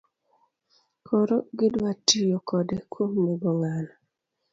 Koro gidwa tiyo kode kuom nego ng'ano